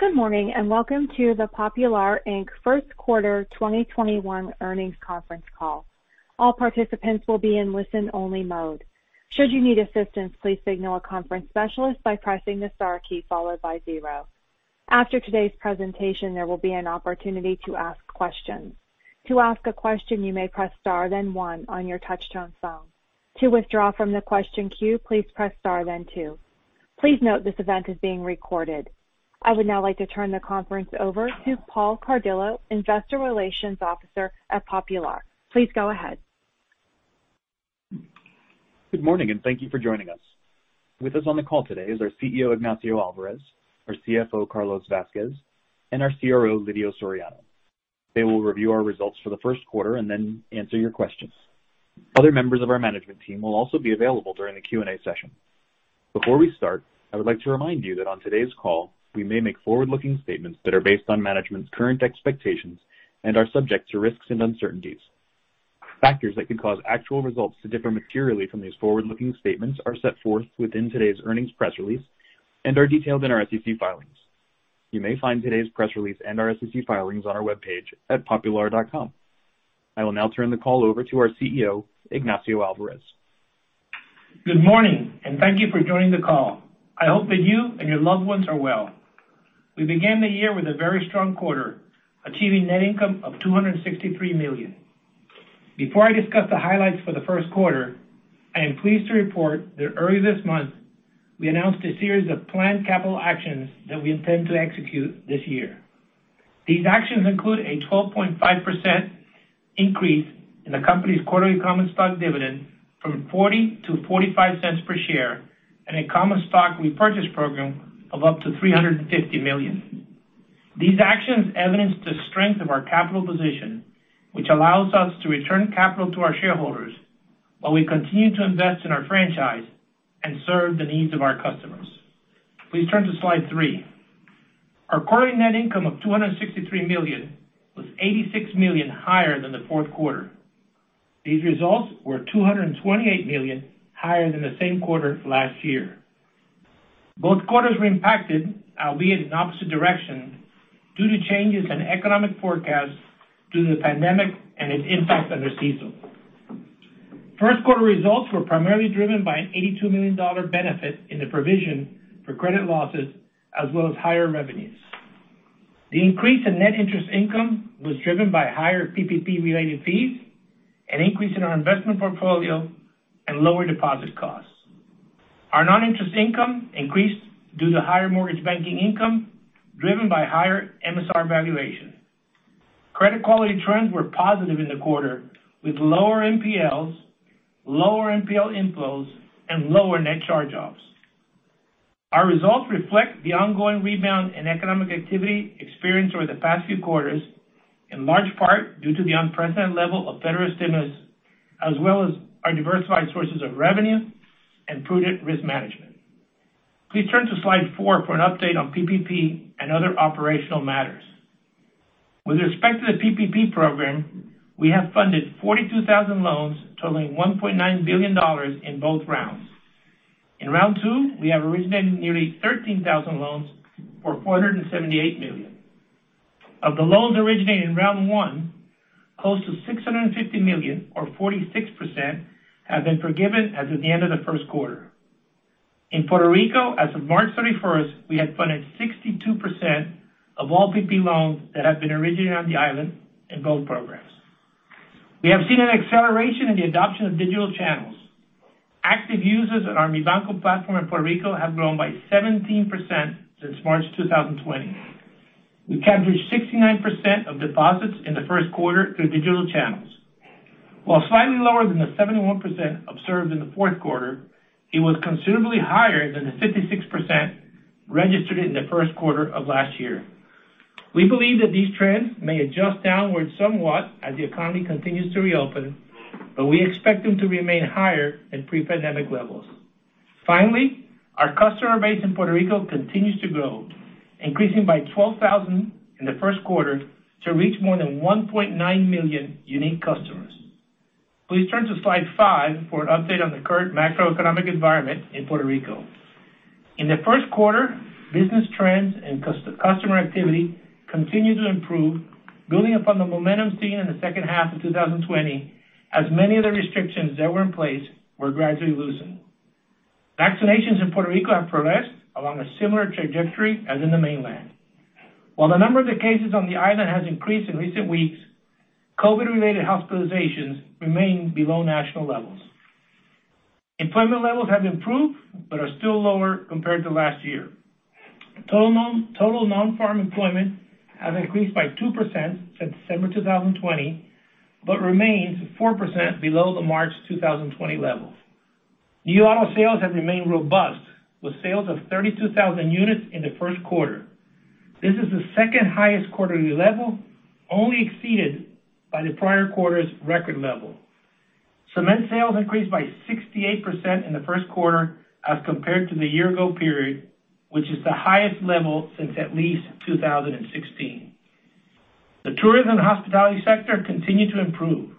Good morning, and welcome to the Popular, Inc first quarter 2021 earnings conference call. All participants will be in listen only mode. Should you need assistance please signal a conference specialist by pressing the star key followed by zero. After today's presentation there will be an opportunity to ask question. To ask a question you may press star then one on your touchtone phone. To withdraw from the question queue please press star then two. Please note that today's event is being recorded. I would now like to turn the conference over to Paul Cardillo, Investor Relations Officer at Popular. Please go ahead. Good morning, and thank you for joining us. With us on the call today is our CEO, Ignacio Alvarez, our CFO, Carlos Vázquez, and our CRO, Lidio Soriano. They will review our results for the first quarter and then answer your questions. Other members of our management team will also be available during the Q&A session. Before we start, I would like to remind you that on today's call, we may make forward-looking statements that are based on management's current expectations and are subject to risks and uncertainties. Factors that could cause actual results to differ materially from these forward-looking statements are set forth within today's earnings press release and are detailed in our SEC filings. You may find today's press release and our SEC filings on our webpage at popular.com. I will now turn the call over to our CEO, Ignacio Alvarez. Good morning, and thank you for joining the call. I hope that you and your loved ones are well. We began the year with a very strong quarter, achieving net income of $263 million. Before I discuss the highlights for the first quarter, I am pleased to report that early this month, we announced a series of planned capital actions that we intend to execute this year. These actions include a 12.5% increase in the company's quarterly common stock dividend from $0.40-$0.45 per share and a common stock repurchase program of up to $350 million. These actions evidence the strength of our capital position, which allows us to return capital to our shareholders while we continue to invest in our franchise and serve the needs of our customers. Please turn to slide three. Our quarterly net income of $263 million was $86 million higher than the fourth quarter. These results were $228 million higher than the same quarter last year. Both quarters were impacted, albeit in opposite directions, due to changes in economic forecasts due to the pandemic and its impact on the CECL. First quarter results were primarily driven by an $82 million benefit in the provision for credit losses as well as higher revenues. The increase in Net Interest Income was driven by higher PPP-related fees, an increase in our investment portfolio, and lower deposit costs. Our non-interest income increased due to higher mortgage banking income driven by higher MSR valuation. Credit quality trends were positive in the quarter with lower NPLs, lower NPL inflows, and lower net charge-offs. Our results reflect the ongoing rebound in economic activity experienced over the past few quarters, in large part due to the unprecedented level of federal stimulus, as well as our diversified sources of revenue and prudent risk management. Please turn to slide four for an update on PPP and other operational matters. With respect to the PPP program, we have funded 42,000 loans totaling $1.9 billion in both rounds. In round two, we have originated nearly 13,000 loans for $478 million. Of the loans originated in round one, close to $650 million or 46% have been forgiven as of the end of the first quarter. In Puerto Rico, as of March 31st, we had funded 62% of all PPP loans that have been originated on the island in both programs. We have seen an acceleration in the adoption of digital channels. Active users on our Mi Banco platform in Puerto Rico have grown by 17% since March 2020. We captured 69% of deposits in the first quarter through digital channels. While slightly lower than the 71% observed in the fourth quarter, it was considerably higher than the 56% registered in the first quarter of last year. We believe that these trends may adjust downwards somewhat as the economy continues to reopen, but we expect them to remain higher than pre-pandemic levels. Finally, our customer base in Puerto Rico continues to grow, increasing by 12,000 in the first quarter to reach more than 1.9 million unique customers. Please turn to slide five for an update on the current macroeconomic environment in Puerto Rico. In the first quarter, business trends and customer activity continued to improve, building upon the momentum seen in the second half of 2020, as many of the restrictions that were in place were gradually loosened. Vaccinations in Puerto Rico have progressed along a similar trajectory as in the mainland. While the number of cases on the island has increased in recent weeks, COVID-related hospitalizations remain below national levels. Employment levels have improved but are still lower compared to last year. Total nonfarm employment has increased by 2% since December 2020 but remains 4% below the March 2020 levels. New auto sales have remained robust, with sales of 32,000 units in the first quarter. This is the second highest quarterly level, only exceeded by the prior quarter's record level. Cement sales increased by 68% in the first quarter as compared to the year-ago period, which is the highest level since at least 2016. The tourism hospitality sector continued to improve.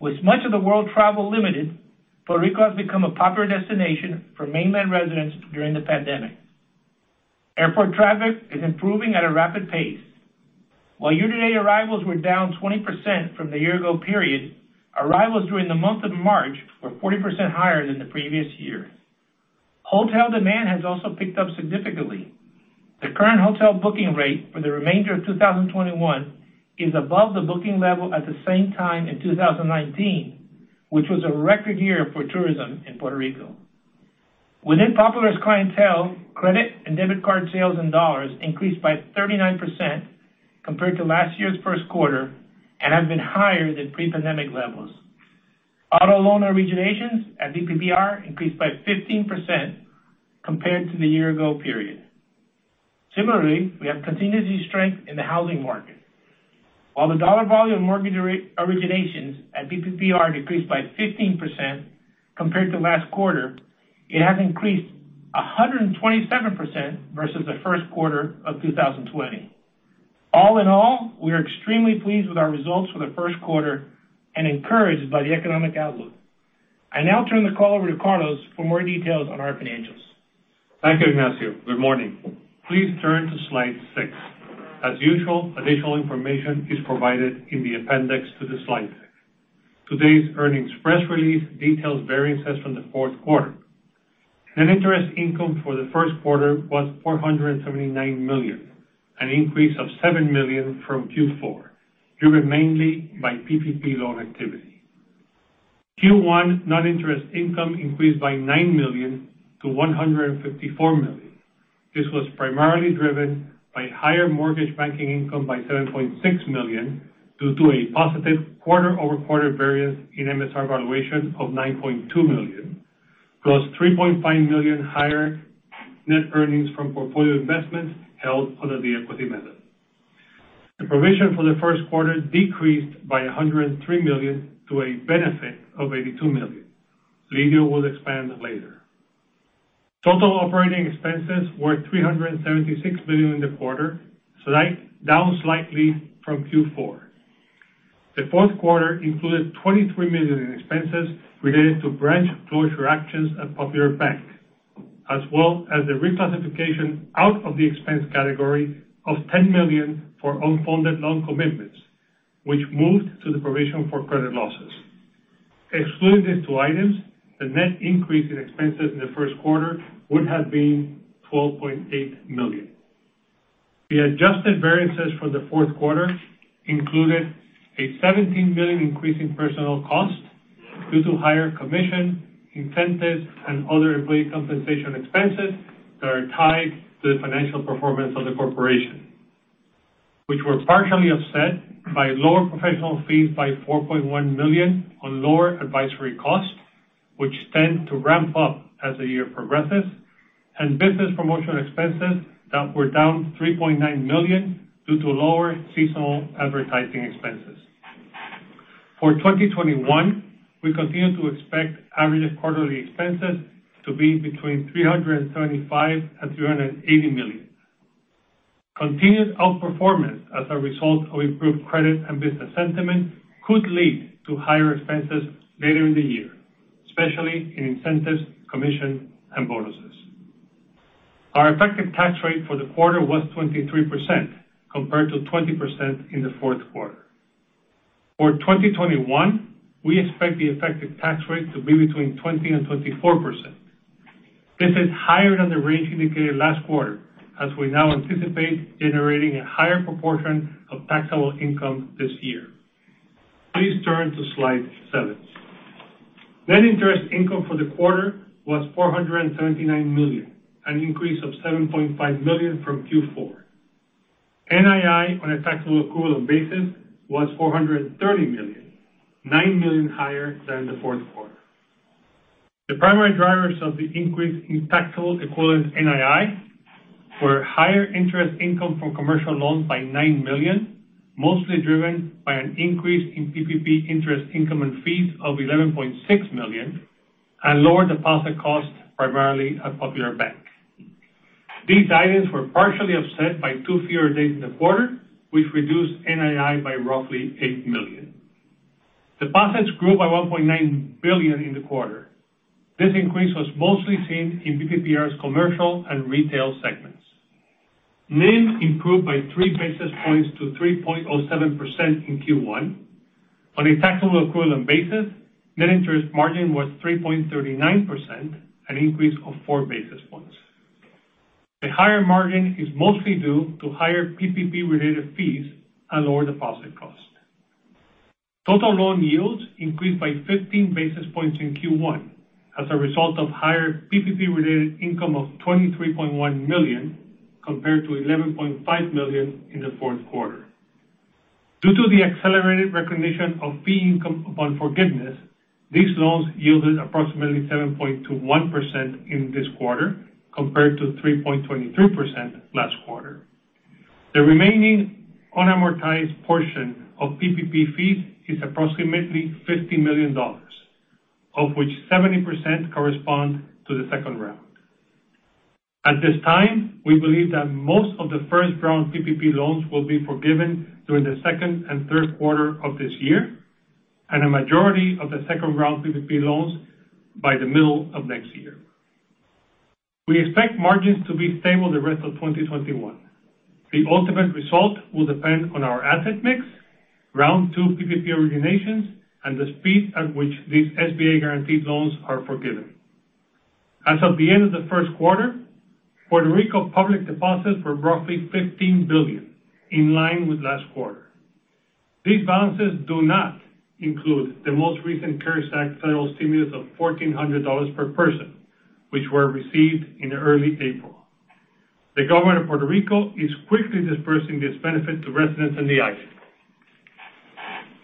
With much of the world travel limited, Puerto Rico has become a popular destination for mainland residents during the pandemic. Airport traffic is improving at a rapid pace. While year-to-date arrivals were down 20% from the year-ago period, arrivals during the month of March were 40% higher than the previous year. Hotel demand has also picked up significantly. The current hotel booking rate for the remainder of 2021 is above the booking level at the same time in 2019, which was a record year for tourism in Puerto Rico. Within Popular's clientele, credit and debit card sales in dollars increased by 39% compared to last year's first quarter, and have been higher than pre-pandemic levels. Auto loan originations at BPPR increased by 15% compared to the year ago period. Similarly, we have continued to see strength in the housing market. While the dollar volume mortgage originations at BPPR decreased by 15% compared to last quarter, it has increased 127% versus the first quarter of 2020. All in all, we are extremely pleased with our results for the first quarter and encouraged by the economic outlook. I now turn the call over to Carlos for more details on our financials. Thank you, Ignacio. Good morning. Please turn to slide six. As usual, additional information is provided in the appendix to the slide deck. Today's earnings press release details variances from the fourth quarter. Net Interest Income for the first quarter was $479 million, an increase of $7 million from Q4, driven mainly by PPP loan activity. Q1 non-interest income increased by $9 million-$154 million. This was primarily driven by higher mortgage banking income by $7.6 million due to a positive quarter-over-quarter variance in MSR valuation of $9.2 million, plus $3.5 million higher net earnings from portfolio investments held under the equity method. The provision for the first quarter decreased by $103 million to a benefit of $82 million. Lidio will expand later. Total operating expenses were $376 million in the quarter, down slightly from Q4. The fourth quarter included $23 million in expenses related to branch closure actions at Popular Bank, as well as the reclassification out of the expense category of $10 million for unfunded loan commitments, which moved to the provision for credit losses. Excluding these two items, the net increase in expenses in the first quarter would have been $12.8 million. The adjusted variances for the fourth quarter included a $17 million increase in personnel costs due to higher commission, incentives, and other employee compensation expenses that are tied to the financial performance of the corporation, which were partially offset by lower professional fees by $4.1 million on lower advisory costs, which tend to ramp up as the year progresses, and business promotion expenses that were down $3.9 million due to lower seasonal advertising expenses. For 2021, we continue to expect average quarterly expenses to be between $375 million and $380 million. Continued outperformance as a result of improved credit and business sentiment could lead to higher expenses later in the year, especially in incentives, commission, and bonuses. Our effective tax rate for the quarter was 23%, compared to 20% in the fourth quarter. For 2021, we expect the effective tax rate to be between 20% and 24%. This is higher than the range indicated last quarter, as we now anticipate generating a higher proportion of taxable income this year. Please turn to slide seven. Net Interest Income for the quarter was $479 million, an increase of $7.5 million from Q4. NII on a taxable accrual basis was $430 million, $9 million higher than the fourth quarter. The primary drivers of the increase in taxable equivalent NII were higher interest income from commercial loans by $9 million, mostly driven by an increase in PPP interest income and fees of $11.6 million, and lower deposit costs, primarily at Popular Bank. These items were partially offset by two fewer days in the quarter, which reduced NII by roughly $8 million. Deposits grew by $1.9 billion in the quarter. This increase was mostly seen in BPPR's commercial and retail segments. NIM improved by three basis points to 3.07% in Q1. On a taxable accrual basis, Net Interest Margin was 3.39%, an increase of 4 basis points. The higher margin is mostly due to higher PPP-related fees and lower deposit costs. Total loan yields increased by 15 basis points in Q1 as a result of higher PPP-related income of $23.1 million, compared to $11.5 million in the fourth quarter. Due to the accelerated recognition of fee income upon forgiveness, these loans yielded approximately 7.21% in this quarter, compared to 3.23% last quarter. The remaining unamortized portion of PPP fees is approximately $50 million, of which 70% correspond to the second round. At this time, we believe that most of the first round PPP loans will be forgiven during the second and third quarter of this year, and a majority of the second round PPP loans by the middle of next year. We expect margins to be stable the rest of 2021. The ultimate result will depend on our asset mix, round two PPP originations, and the speed at which these SBA guaranteed loans are forgiven. As of the end of the first quarter, Puerto Rico public deposits were roughly $15 billion, in line with last quarter. These balances do not include the most recent CARES Act federal stimulus of $1,400 per person, which were received in early April. The government of Puerto Rico is quickly dispersing this benefit to residents on the island.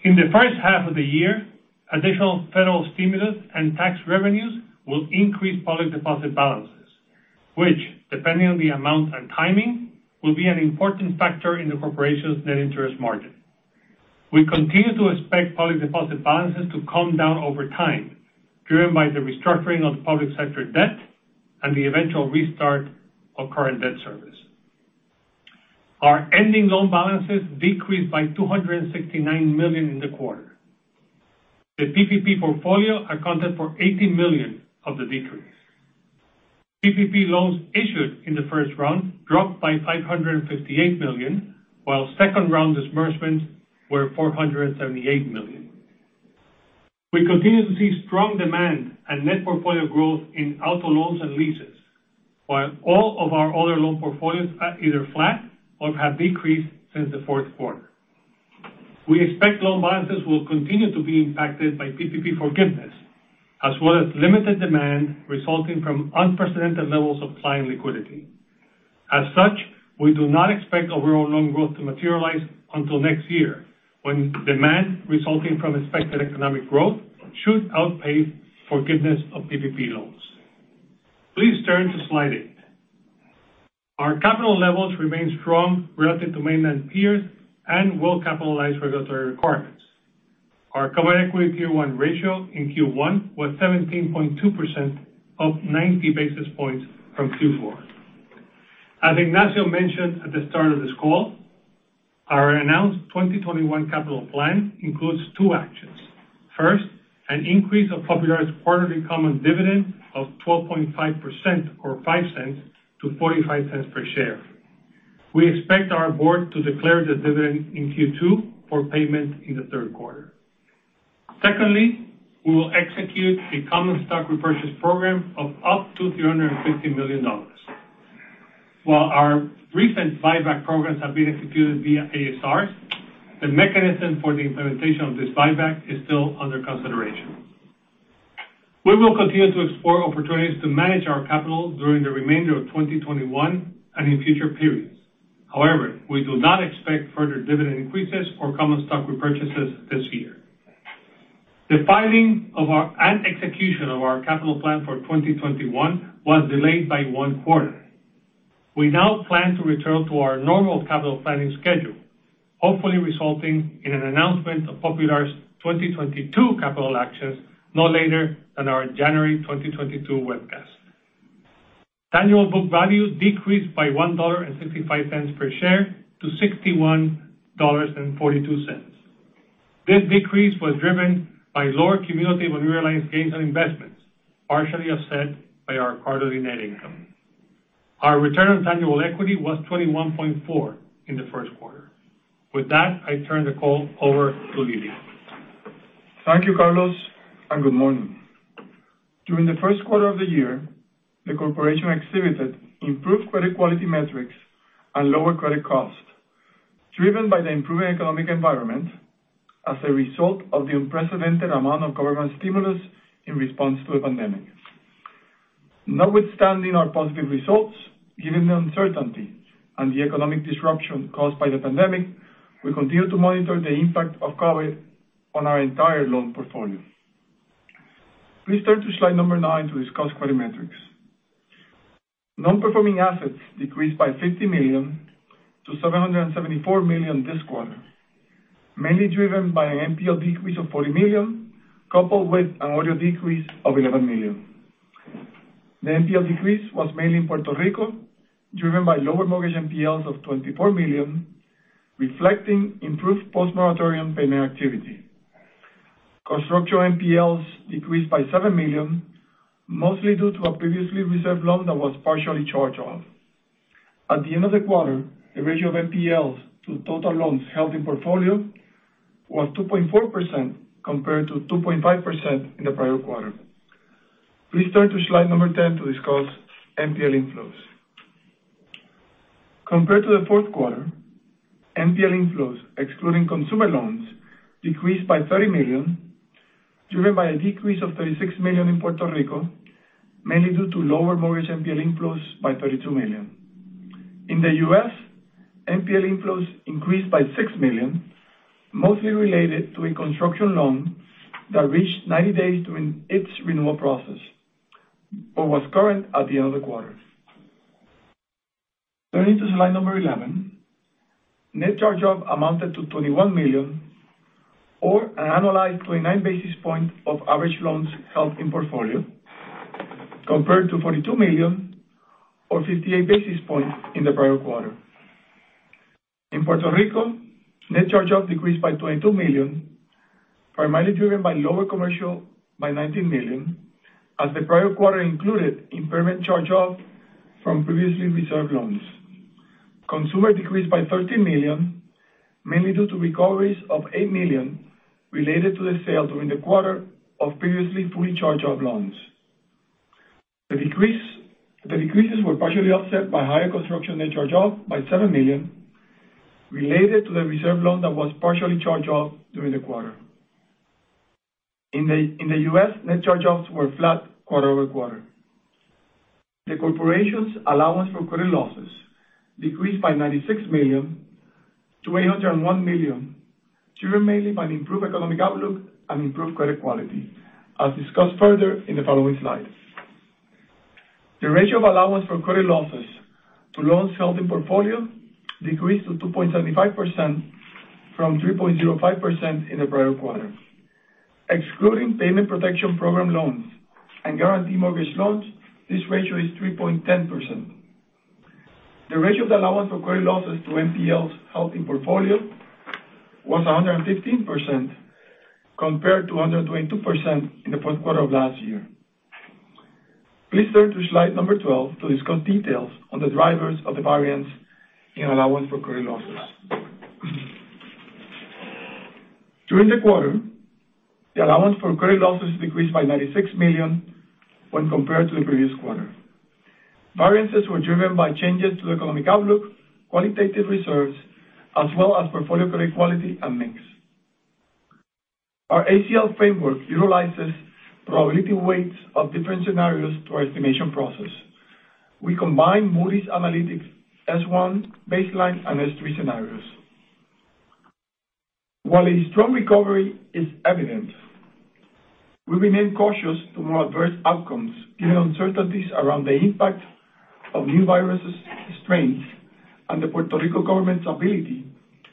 In the first half of the year, additional federal stimulus and tax revenues will increase public deposit balances, which, depending on the amount and timing, will be an important factor in the corporation's Net Interest Margin. We continue to expect public deposit balances to come down over time, driven by the restructuring of public sector debt and the eventual restart of current debt service. Our ending loan balances decreased by $269 million in the quarter. The PPP portfolio accounted for $80 million of the decrease. PPP loans issued in the first round dropped by $558 million, while second-round disbursements were $478 million. We continue to see strong demand and net portfolio growth in auto loans and leases, while all of our other loan portfolios are either flat or have decreased since the fourth quarter. We expect loan balances will continue to be impacted by PPP forgiveness, as well as limited demand resulting from unprecedented levels of client liquidity. As such, we do not expect overall loan growth to materialize until next year, when demand resulting from expected economic growth should outpace forgiveness of PPP loans. Please turn to slide eight. Our capital levels remain strong relative to mainland peers and well-capitalized regulatory requirements. Our common equity Tier 1 ratio in Q1 was 17.2%, up 90 basis points from Q4. As Ignacio mentioned at the start of this call, our announced 2021 capital plan includes two actions. First, an increase of Popular's quarterly common dividend of 12.5%, or $0.05-$0.45 per share. We expect our board to declare the dividend in Q2 for payment in the third quarter. Secondly, we will execute a common stock repurchase program of up to $350 million. While our recent buyback programs have been executed via ASRs, the mechanism for the implementation of this buyback is still under consideration. We will continue to explore opportunities to manage our capital during the remainder of 2021 and in future periods. However, we do not expect further dividend increases or common stock repurchases this year. The filing and execution of our capital plan for 2021 was delayed by one quarter. We now plan to return to our normal capital planning schedule, hopefully resulting in an announcement of Popular's 2022 capital actions no later than our January 2022 webcast. Tangible book value decreased by $1.65 per share to $61.42. This decrease was driven by lower cumulative unrealized gains on investments, partially offset by our quarterly net income. Our return on tangible equity was 21.4% in the first quarter. With that, I turn the call over to Lidio. Thank you, Carlos, and good morning. During the first quarter of the year, the corporation exhibited improved credit quality metrics and lower credit cost, driven by the improving economic environment as a result of the unprecedented amount of government stimulus in response to the pandemic. Notwithstanding our positive results, given the uncertainty and the economic disruption caused by the pandemic, we continue to monitor the impact of COVID on our entire loan portfolio. Please turn to slide number nine to discuss credit metrics. Non-performing assets decreased by $50 million-$774 million this quarter, mainly driven by an NPL decrease of $40 million, coupled with an OREO decrease of $11 million. The NPL decrease was mainly in Puerto Rico, driven by lower mortgage NPLs of $24 million, reflecting improved post-moratorium payment activity. Construction NPLs decreased by $7 million, mostly due to a previously reserved loan that was partially charged off. At the end of the quarter, the ratio of NPLs to total loans held in portfolio was 2.4%, compared to 2.5% in the prior quarter. Please turn to slide number 10 to discuss NPL inflows. Compared to the fourth quarter, NPL inflows, excluding consumer loans, decreased by $30 million, driven by a decrease of $36 million in Puerto Rico, mainly due to lower mortgage NPL inflows by $32 million. In the U.S., NPL inflows increased by $6 million, mostly related to a construction loan that reached 90 days during its renewal process but was current at the end of the quarter. Turning to slide number 11. Net charge-off amounted to $21 million, or an annualized 29 basis points of average loans held in portfolio, compared to $42 million or 58 basis points in the prior quarter. In Puerto Rico, net charge-off decreased by $22 million, primarily driven by lower commercial by $19 million, as the prior quarter included impairment charge-off from previously reserved loans. Consumer decreased by $13 million, mainly due to recoveries of $8 million related to the sale during the quarter of previously fully charged-off loans. The decreases were partially offset by higher construction net charge-off by $7 million related to the reserve loan that was partially charged off during the quarter. In the U.S., net charge-offs were flat quarter-over-quarter. The corporation's allowance for credit losses decreased by $96 million-$801 million, driven mainly by the improved economic outlook and improved credit quality, as discussed further in the following slide. The ratio of allowance for credit losses to loans held in portfolio decreased to 2.75% from 3.05% in the prior quarter. Excluding payment protection program loans and guaranteed mortgage loans, this ratio is 3.10%. The ratio of the allowance for credit losses to NPLs held in portfolio was 115%, compared to 122% in the fourth quarter of last year. Please turn to slide number 12 to discuss details on the drivers of the variance in allowance for credit losses. During the quarter, the allowance for credit losses decreased by $96 million when compared to the previous quarter. Variances were driven by changes to the economic outlook, qualitative reserves, as well as portfolio credit quality and mix. Our ACL framework utilizes probability weights of different scenarios through our estimation process. We combine Moody's Analytics S1 baseline and S3 scenarios. A strong recovery is evident, we remain cautious to more adverse outcomes given uncertainties around the impact of new virus strains and the Puerto Rico government's ability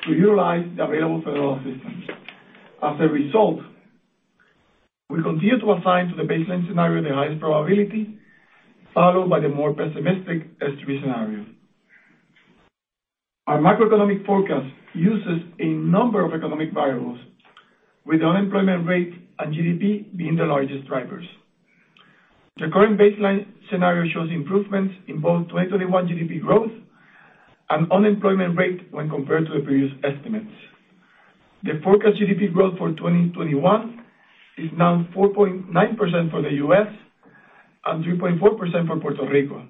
to utilize the available federal assistance. As a result, we continue to assign to the baseline scenario the highest probability, followed by the more pessimistic S3 scenario. Our macroeconomic forecast uses a number of economic variables, with the unemployment rate and GDP being the largest drivers. The current baseline scenario shows improvements in both 2021 GDP growth and unemployment rate when compared to the previous estimates. The forecast GDP growth for 2021 is now 4.9% for the U.S. and 3.4% for Puerto Rico,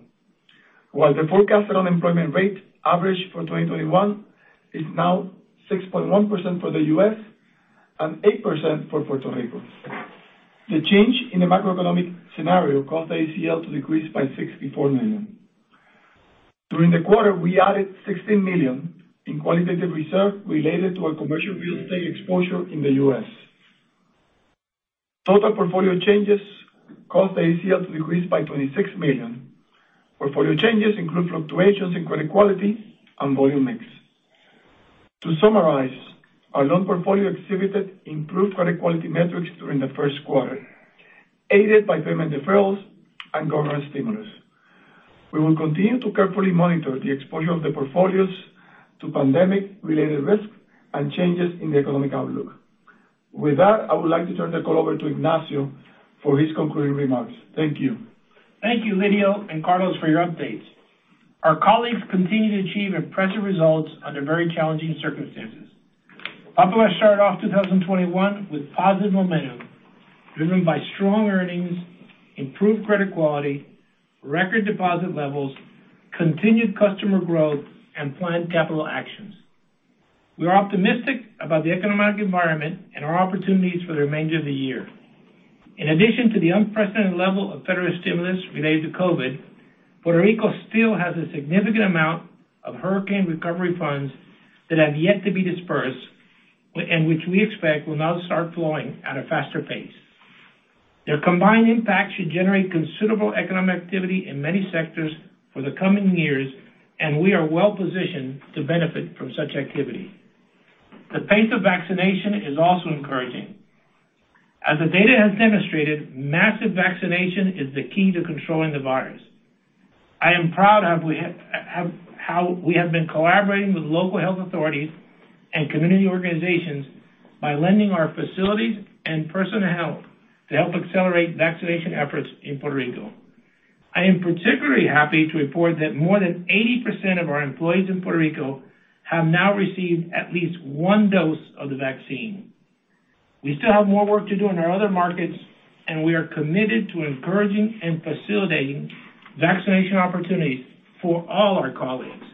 while the forecast unemployment rate average for 2021 is now 6.1% for the U.S. and 8% for Puerto Rico. The change in the macroeconomic scenario caused the ACL to decrease by $64 million. During the quarter, we added $16 million in qualitative reserve related to a commercial real estate exposure in the U.S. Total portfolio changes caused the ACL to decrease by $26 million. Portfolio changes include fluctuations in credit quality and volume mix. To summarize, our loan portfolio exhibited improved credit quality metrics during the first quarter, aided by payment deferrals and government stimulus. We will continue to carefully monitor the exposure of the portfolios to pandemic-related risks and changes in the economic outlook. With that, I would like to turn the call over to Ignacio for his concluding remarks. Thank you. Thank you, Lidio and Carlos, for your updates. Our colleagues continue to achieve impressive results under very challenging circumstances. Popular started off 2021 with positive momentum driven by strong earnings, improved credit quality, record deposit levels, continued customer growth, and planned capital actions. We are optimistic about the economic environment and our opportunities for the remainder of the year. In addition to the unprecedented level of federal stimulus related to COVID, Puerto Rico still has a significant amount of hurricane recovery funds that have yet to be disbursed, and which we expect will now start flowing at a faster pace. Their combined impact should generate considerable economic activity in many sectors for the coming years, and we are well-positioned to benefit from such activity. The pace of vaccination is also encouraging. As the data has demonstrated, massive vaccination is the key to controlling the virus. I am proud how we have been collaborating with local health authorities and community organizations by lending our facilities and personal health to help accelerate vaccination efforts in Puerto Rico. I am particularly happy to report that more than 80% of our employees in Puerto Rico have now received at least one dose of the vaccine. We still have more work to do in our other markets, and we are committed to encouraging and facilitating vaccination opportunities for all our colleagues.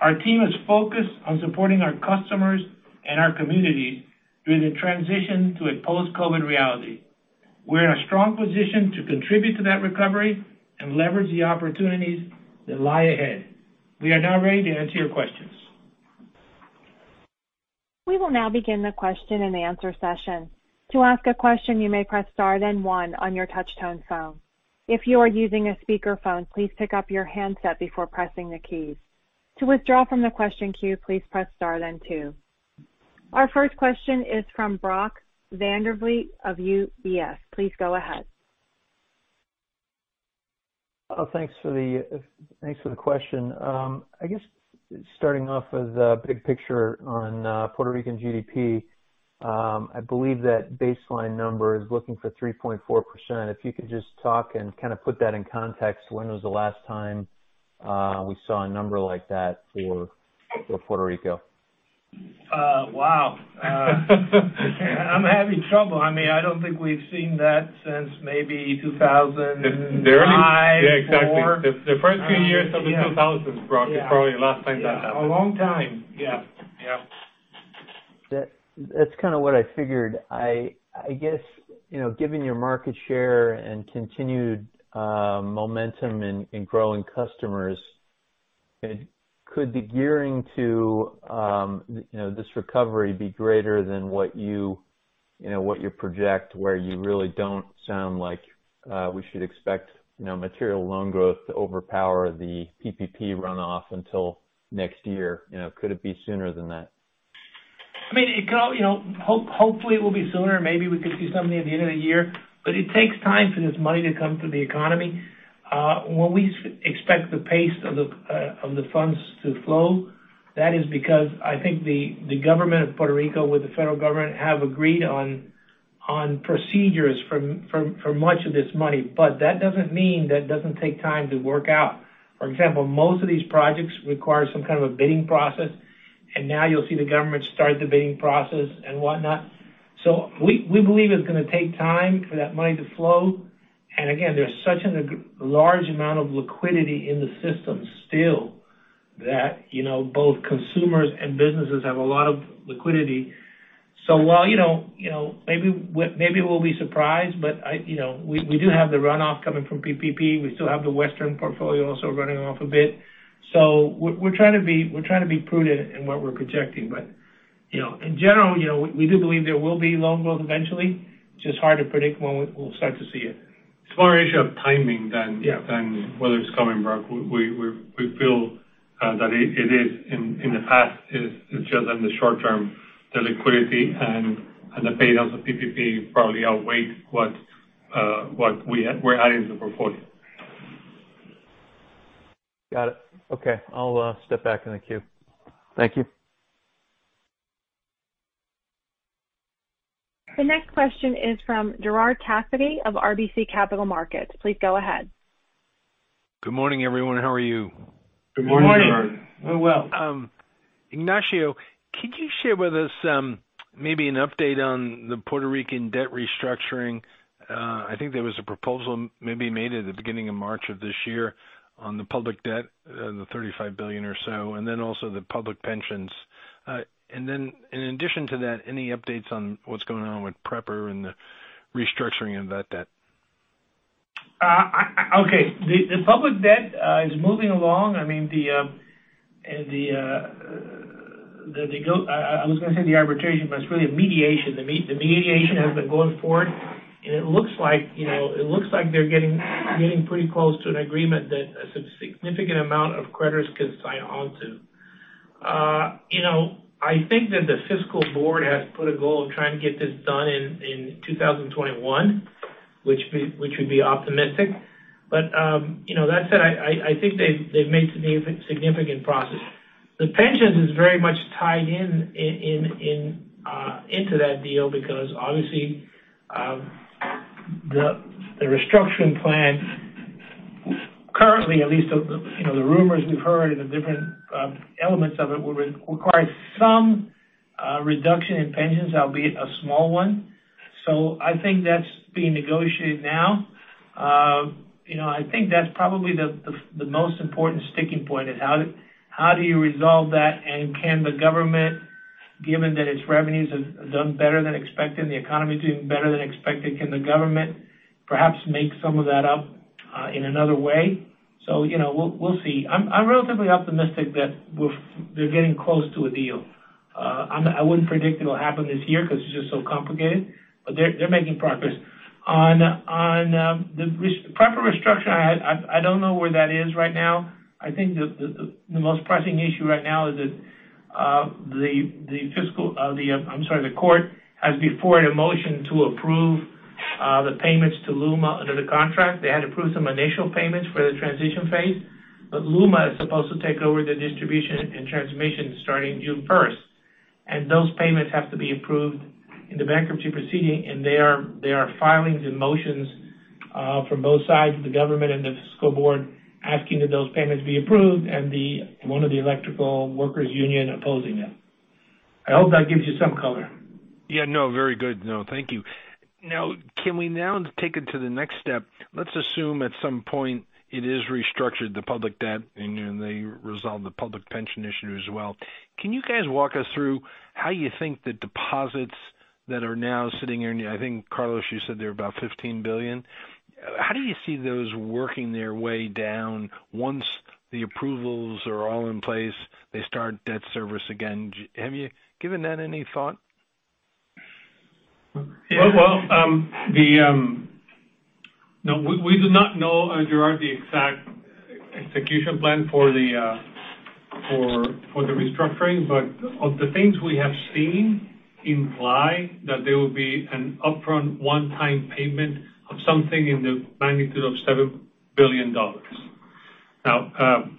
Our team is focused on supporting our customers and our communities through the transition to a post-COVID reality. We are in a strong position to contribute to that recovery and leverage the opportunities that lie ahead. We are now ready to answer your questions. We will now begin the question and answer session. To ask a question, you may press star then one on your touchtone phone. If you are using a speakerphone, please pick up your handset before pressing the keys. To withdraw from the question queue, please press star then two. Our first question is from Brock Vandervliet of UBS. Please go ahead. Thanks for the question. I guess starting off with a big picture on Puerto Rican GDP. I believe that baseline number is looking for 3.4%. If you could just talk and kind of put that in context. When was the last time we saw a number like that for Puerto Rico? Wow. I'm having trouble. I don't think we've seen that since maybe 2005. Yeah, exactly. The first few years of the 2000s, Brock, is probably the last time that happened. A long time. Yeah. That's kind of what I figured. I guess, given your market share and continued momentum in growing customers, could the gearing to this recovery be greater than what you project, where you really don't sound like we should expect material loan growth to overpower the PPP runoff until next year? Could it be sooner than that? Hopefully it will be sooner. Maybe we could see something at the end of the year. It takes time for this money to come to the economy. When we expect the pace of the funds to flow, that is because I think the government of Puerto Rico with the federal government have agreed on procedures for much of this money. That doesn't mean that it doesn't take time to work out. For example, most of these projects require some kind of a bidding process, and now you'll see the government start the bidding process and whatnot. We believe it's going to take time for that money to flow. Again, there's such a large amount of liquidity in the system still that both consumers and businesses have a lot of liquidity. While maybe we'll be surprised, but we do have the runoff coming from PPP. We still have the Westernbank portfolio also running off a bit. We're trying to be prudent in what we're projecting. In general, we do believe there will be loan growth eventually. It's just hard to predict when we'll start to see it. It's more an issue of timing than whether it's coming, Brock. We feel that it is in the past. It's just in the short term, the liquidity and the paydowns of PPP probably outweigh what we're adding to the portfolio. Got it. Okay, I'll step back in the queue. Thank you. The next question is from Gerard Cassidy of RBC Capital Markets. Please go ahead. Good morning, everyone. How are you? Good morning. Good morning. We're well. Ignacio, could you share with us maybe an update on the Puerto Rican debt restructuring? I think there was a proposal maybe made at the beginning of March of this year on the public debt, the $35 billion or so, and then also the public pensions. In addition to that, any updates on what's going on with PREPA and the restructuring of that debt? Okay. The public debt is moving along. I was going to say the arbitration, but it's really a mediation. The mediation has been going forward, and it looks like they're getting pretty close to an agreement that a significant amount of creditors could sign on to. I think that the fiscal board has put a goal of trying to get this done in 2021, which would be optimistic. That said, I think they've made significant progress. The pensions is very much tied into that deal because obviously the restructuring plan currently, at least the rumors we've heard and the different elements of it will require some reduction in pensions, albeit a small one. I think that's being negotiated now. I think that's probably the most important sticking point is how do you resolve that and can the government, given that its revenues have done better than expected and the economy is doing better than expected, can the government perhaps make some of that up in another way? We'll see. I'm relatively optimistic that they're getting close to a deal. I wouldn't predict it'll happen this year because it's just so complicated, but they're making progress. On the PREPA restructure, I don't know where that is right now. I think the most pressing issue right now is that the court has before it a motion to approve the payments to LUMA under the contract. They had approved some initial payments for the transition phase. LUMA is supposed to take over the distribution and transmission starting June 1st, and those payments have to be approved in the bankruptcy proceeding. There are filings and motions from both sides of the government and the fiscal board asking that those payments be approved and one of the electrical workers union opposing it. I hope that gives you some color. Yeah. No, very good. No, thank you. Now, can we now take it to the next step? Let's assume at some point it is restructured the public debt and they resolve the public pension issue as well. Can you guys walk us through how you think the deposits that are now sitting here. I think, Carlos, you said they're about $15 billion. How do you see those working their way down once the approvals are all in place, they start debt service again? Have you given that any thought? Well, we do not know, Gerard, the exact execution plan for the restructuring. Of the things we have seen imply that there will be an upfront one-time payment of something in the magnitude of $7 billion. Now,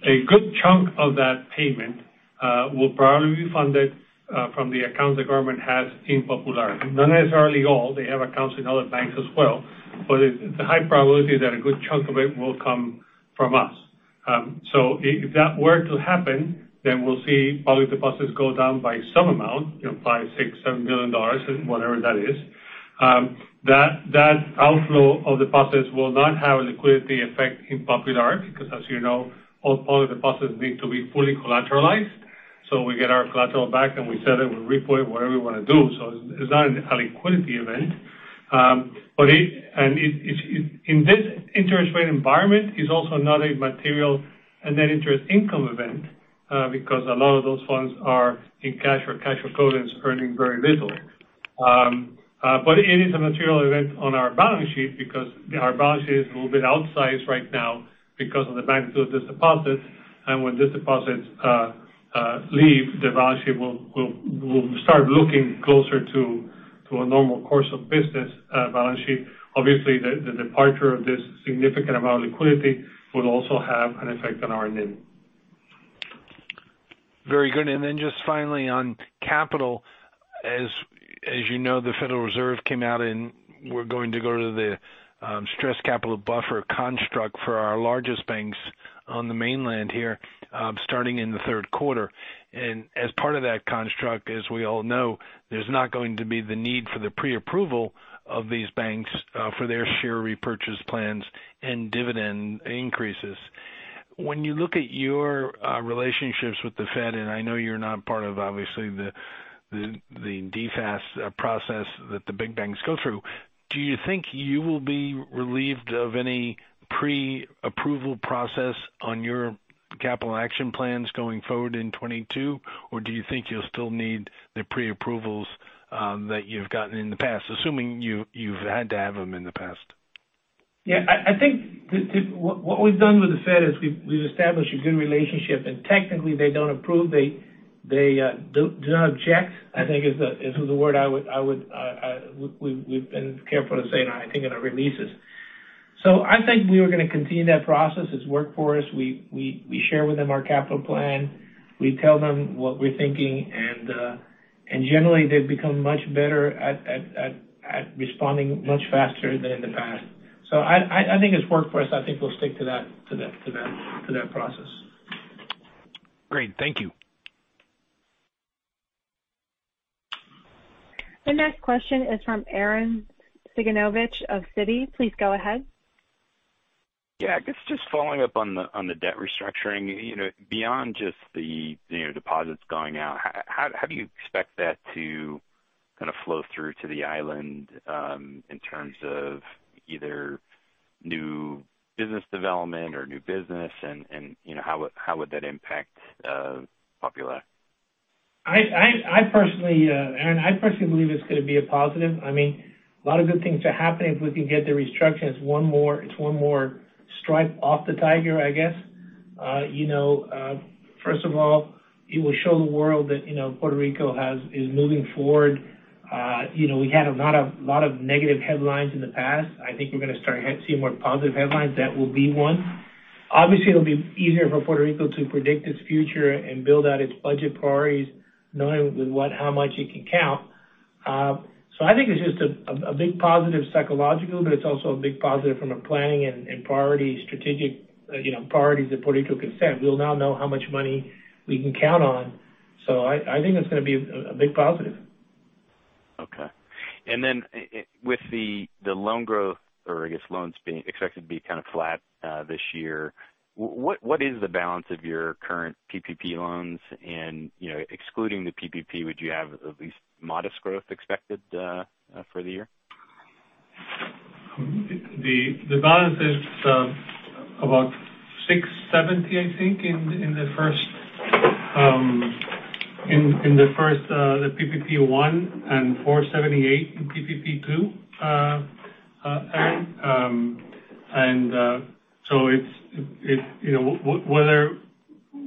a good chunk of that payment will probably be funded from the account the government has in Popular. Not necessarily all. They have accounts in other banks as well. It's a high probability that a good chunk of it will come from us. If that were to happen, then we'll see public deposits go down by some amount, $5, $6, $7 billion, whatever that is. That outflow of deposits will not have a liquidity effect in Popular because as you know, all public deposits need to be fully collateralized. We get our collateral back, and we sell it, we report it, whatever we want to do. it's not a liquidity event. In this interest rate environment, it's also not a material Net Interest Income event because a lot of those funds are in cash or cash equivalents earning very little. it is a material event on our balance sheet because our balance sheet is a little bit outsized right now because of the magnitude of the deposits. when these deposits leave, the balance sheet will start looking closer to a normal course of business balance sheet. Obviously, the departure of this significant amount of liquidity will also have an effect on our NIM. Very good. Just finally on capital. As you know, the Federal Reserve came out and we're going to go to the stress capital buffer construct for our largest banks on the mainland here starting in the third quarter. As part of that construct, as we all know, there's not going to be the need for the pre-approval of these banks for their share repurchase plans and dividend increases. When you look at your relationships with the Fed, and I know you're not part of obviously the DFAST process that the big banks go through, do you think you will be relieved of any pre-approval process on your capital action plans going forward in 2022? Or do you think you'll still need the pre-approvals that you've gotten in the past, assuming you've had to have them in the past? Yeah. I think what we've done with the Fed is we've established a good relationship, and technically they don't approve. They do not object, I think is the word we've been careful to say, I think, in our releases. I think we are going to continue that process. It's worked for us. We share with them our capital plan. We tell them what we're thinking, and generally, they've become much better at responding much faster than in the past. I think it's worked for us. I think we'll stick to that process. Great. Thank you. The next question is from Arren Cyganovich of Citi. Please go ahead. Yeah. I guess just following up on the debt restructuring. Beyond just the deposits going out, how do you expect that to kind of flow through to the island in terms of either new business development or new business, and how would that impact Popular? Arren, I personally believe it's going to be a positive. A lot of good things to happen if we can get the restructures. It's one more stripe off the tiger, I guess. First of all, it will show the world that Puerto Rico is moving forward. We had a lot of negative headlines in the past. I think we're going to start seeing more positive headlines. That will be one. Obviously, it'll be easier for Puerto Rico to predict its future and build out its budget priorities, knowing with how much it can count. I think it's just a big positive psychologically, but it's also a big positive from a planning and priorities that Puerto Rico can set. We'll now know how much money we can count on. I think that's going to be a big positive. Okay. with the loan growth, or I guess loans expected to be kind of flat this year, what is the balance of your current PPP loans? excluding the PPP, would you have at least modest growth expected for the year? The balance is about $670, I think, in the first PPP1 and $478 in PPP2. Arren,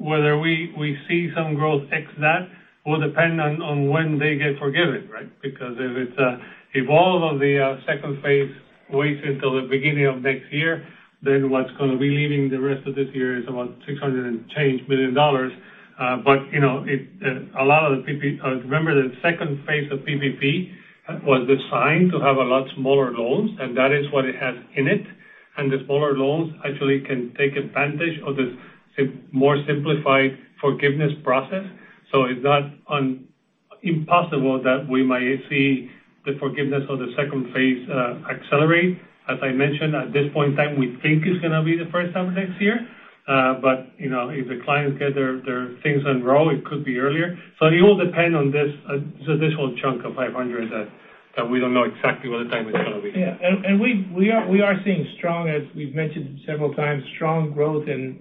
whether we see some growth ex that will depend on when they get forgiven. if all of the second phase waits until the beginning of next year, then what's going to be leaving the rest of this year is about $600 million and change. Remember the second phase of PPP was designed to have a lot smaller loans, and that is what it has in it. The smaller loans actually can take advantage of this more simplified forgiveness process. It's not impossible that we might see the forgiveness of the second phase accelerate. As I mentioned, at this point in time, we think it's going to be the first half of next year. If the clients get their things in a row, it could be earlier. It will depend on this whole chunk of $500 that we don't know exactly what the timing is going to be. Yeah. We are seeing, as we've mentioned several times, strong growth in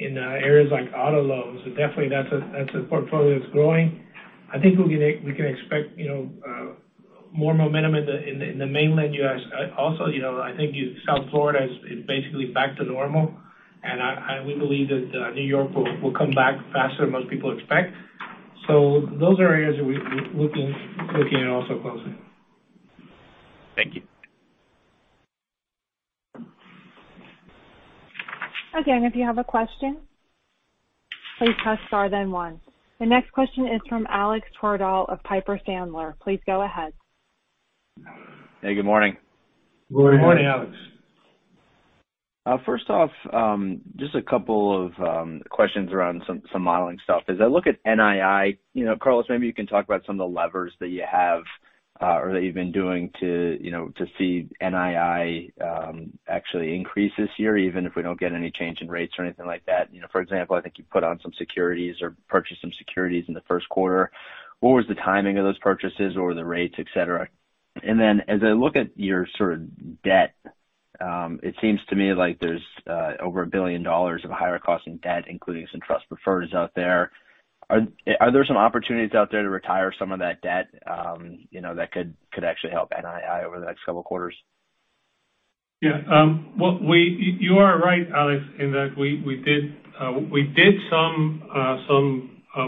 areas like auto loans. Definitely that's a portfolio that's growing. I think we can expect more momentum in the mainland U.S. also. I think South Florida is basically back to normal. We believe that New York will come back faster than most people expect. Those are areas that we're looking at also closing. Thank you. Again, if you have question please press star then one. The next question is from Alex Twerdahl of Piper Sandler. Please go ahead. Hey, good morning. Good morning. Good morning, Alex. First off, just a couple of questions around some modeling stuff. As I look at NII, Carlos, maybe you can talk about some of the levers that you have or that you've been doing to see NII actually increase this year, even if we don't get any change in rates or anything like that. For example, I think you put on some securities or purchased some securities in the first quarter. What was the timing of those purchases or the rates, et cetera? As I look at your sort of debt, it seems to me like there's over $1 billion of higher costing debt, including some trust preferreds out there. Are there some opportunities out there to retire some of that debt that could actually help NII over the next couple quarters? Yeah. You are right, Alex, in that we did some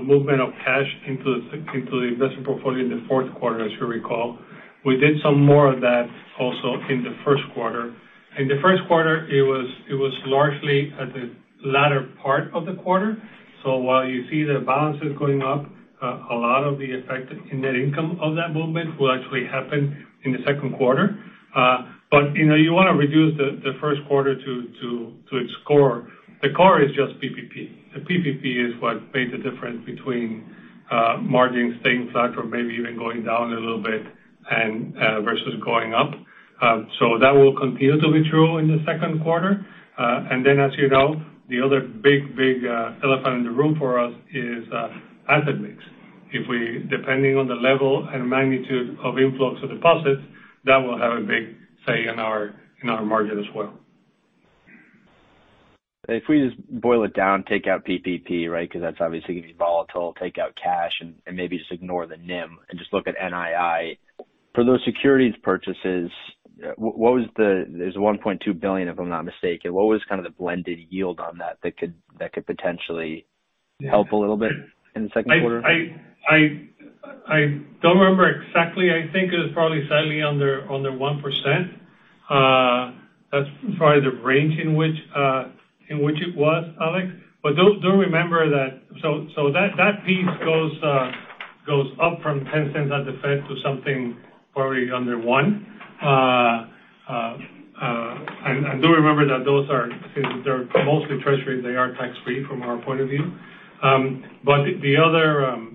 movement of cash into the investment portfolio in the fourth quarter, as you recall. We did some more of that also in the first quarter. In the first quarter, it was largely at the latter part of the quarter. While you see the balances going up, a lot of the effect in net income of that movement will actually happen in the second quarter. You want to reduce the first quarter to its core. The core is just PPP. The PPP is what made the difference between margins staying flat or maybe even going down a little bit versus going up. That will continue to be true in the second quarter. As you know, the other big elephant in the room for us is asset mix. Depending on the level and magnitude of inflows of deposits, that will have a big say in our margin as well. If we just boil it down, take out PPP, right? Because that's obviously going to be volatile. Take out cash and maybe just ignore the NIM and just look at NII. For those securities purchases, there's $1.2 billion, if I'm not mistaken. What was kind of the blended yield on that could potentially help a little bit in the second quarter? I don't remember exactly. I think it was probably slightly under 1%. That's probably the range in which it was, Alex. Do remember that that piece goes up from 0.10 at the Fed to something probably under one. Do remember that since they're mostly Treasury, they are tax-free from our point of view. The other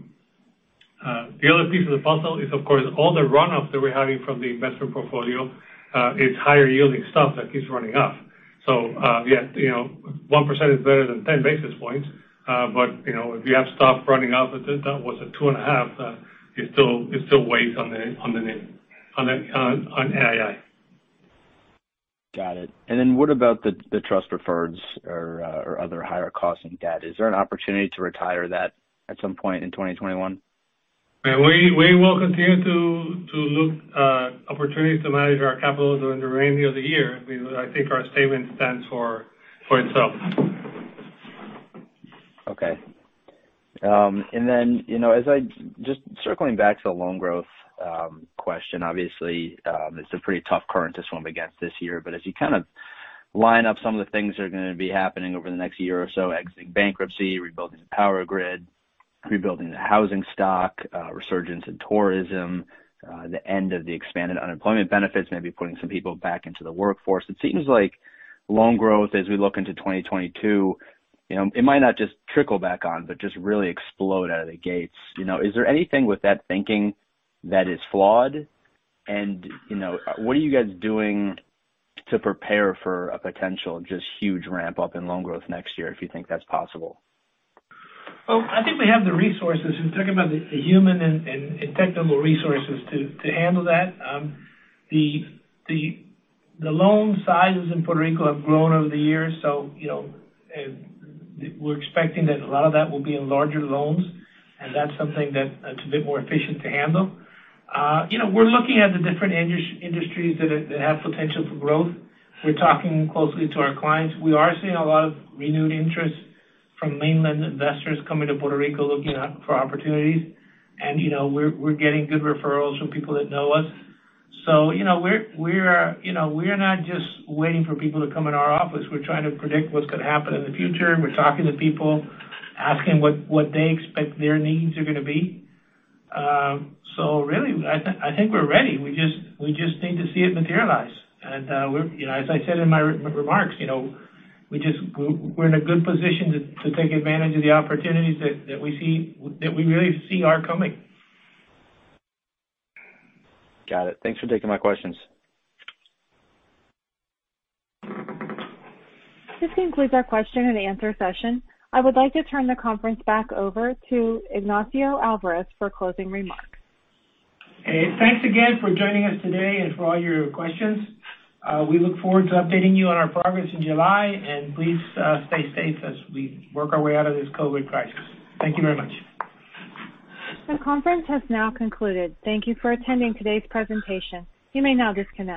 piece of the puzzle is, of course, all the runoffs that we're having from the investment portfolio. It's higher yielding stuff that keeps running off. Yes, 1% is better than 10 basis points. If you have stuff running off that was at two and a half, it still weighs on NII. Got it. What about the trust preferreds or other higher costing debt? Is there an opportunity to retire that at some point in 2021? We will continue to look at opportunities to manage our capital during the remainder of the year. I think our statement stands for itself. Okay. just circling back to the loan growth question. Obviously, it's a pretty tough current to swim against this year. as you kind of line up some of the things that are going to be happening over the next year or so, exiting bankruptcy, rebuilding the power grid, rebuilding the housing stock, resurgence in tourism, the end of the expanded unemployment benefits maybe putting some people back into the workforce. It seems like loan growth as we look into 2022, it might not just trickle back on, but just really explode out of the gates. Is there anything with that thinking that is flawed? What are you guys doing to prepare for a potential just huge ramp-up in loan growth next year, if you think that's possible? Well, I think we have the resources. We're talking about the human and technical resources to handle that. The loan sizes in Puerto Rico have grown over the years, so we're expecting that a lot of that will be in larger loans, and that's something that's a bit more efficient to handle. We're looking at the different industries that have potential for growth. We're talking closely to our clients. We are seeing a lot of renewed interest from mainland investors coming to Puerto Rico looking for opportunities. We're getting good referrals from people that know us. We're not just waiting for people to come in our office. We're trying to predict what's going to happen in the future, and we're talking to people, asking what they expect their needs are going to be. Really, I think we're ready. We just need to see it materialize. As I said in my remarks, we're in a good position to take advantage of the opportunities that we really see are coming. Got it. Thanks for taking my questions. This concludes our question and answer session. I would like to turn the conference back over to Ignacio Alvarez for closing remarks. Hey, thanks again for joining us today and for all your questions. We look forward to updating you on our progress in July, and please stay safe as we work our way out of this COVID crisis. Thank you very much. The conference has now concluded. Thank you for attending today's presentation. You may now disconnect.